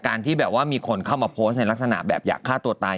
ที่แบบว่ามีคนเข้ามาโพสต์ในลักษณะแบบอยากฆ่าตัวตาย